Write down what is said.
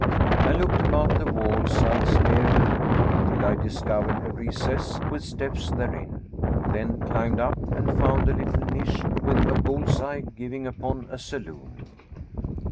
I looked about the wall sides near the doorway till I discovered a recess, with steps therein; then climbed up and found a little niche with a bulls eye giving upon a saloon.